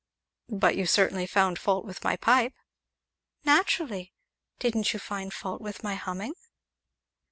"But you certainly found fault with my pipe." "Naturally! didn't you find fault with my humming?"